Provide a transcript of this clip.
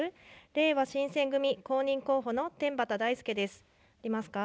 れいわ新選組公認候補の天畠大輔です。いけますか。